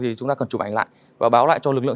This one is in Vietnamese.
thì chúng ta cần chụp ảnh lại và báo lại cho lực lượng